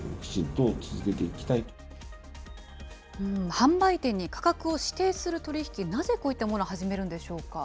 販売店に価格を指定する取り引き、なぜ、こういったもの始めるんでしょうか。